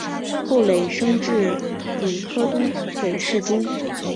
后累升至礼科都给事中。